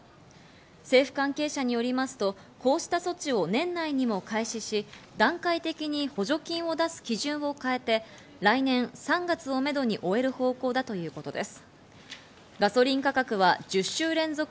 政府関係者によりますと、こうした措置を年内にも開始し、段階的に補助金を出す基準を変えて来年３月をめどに終える方向だということです。